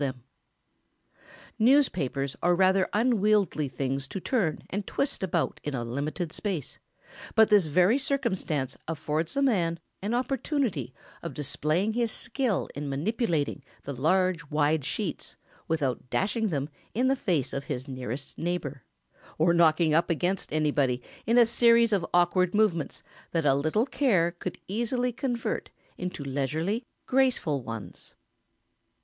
[Sidenote: The "newspaper" offender.] Newspapers are rather unwieldy things to turn and twist about in a limited space, but this very circumstance affords a man an opportunity of displaying his skill in manipulating the large, wide sheets, without dashing them in the face of his nearest neighbour, or knocking up against anybody in a series of awkward movements that a little care could easily convert into leisurely, graceful ones. [Sidenote: The wet umbrella nuisance.